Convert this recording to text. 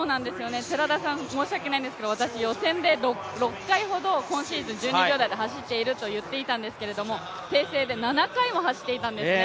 寺田さん、申し訳ないんですけれども私、予選で６回ほど今シーズン１２秒台で走っていると申し上げたんですけど訂正で７回も走っていたんですね。